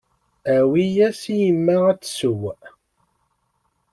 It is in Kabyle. Awi-yas i yemma ad tsew.